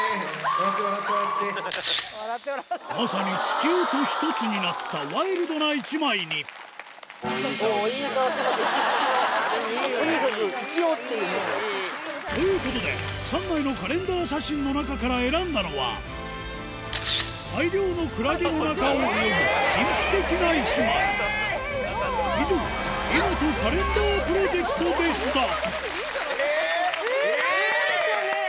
まさに地球と１つになったワイルドな１枚にということで３枚のカレンダー写真の中から選んだのは大量のクラゲの中を泳ぐ神秘的な１枚以上イモト「カレンダープロジェクト」でしたえぇ！